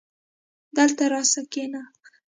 دلته راسه کينه